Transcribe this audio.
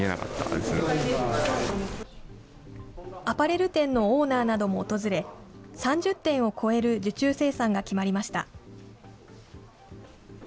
アパレル店のオーナーなども訪れ、３０点を超える受注生産が決まりました。